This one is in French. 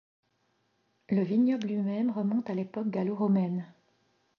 Le vignoble lui-même remonte à l’époque gallo-romaine.